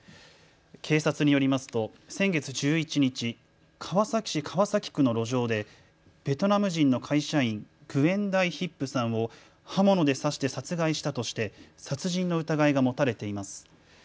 警察によりますと先月１１日、川崎市川崎区の路上でベトナム人の会社員、グエン・ダイ・ヒップさんを刃物で刺して殺害したとして殺人の疑いが持たれています。